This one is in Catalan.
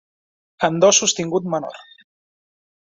En do sostingut menor.